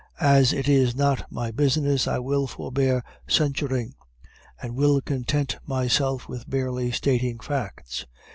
As it is not my business, I will forbear censuring; and will content myself with barely stating facts.